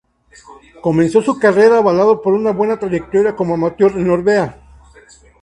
Comenzó su carrera avalado por una buena trayectoria como amateur en Orbea.